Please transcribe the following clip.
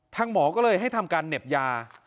หมอก็เลยให้ทำการเหน็บยา